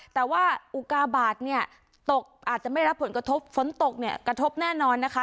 แต่ว่าอุกาบาทเนี่ยตกอาจจะไม่รับผลกระทบฝนตกเนี่ยกระทบแน่นอนนะคะ